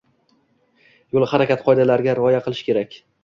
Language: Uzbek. Yo‘l harakati qoidalariga rioya qilish kerak.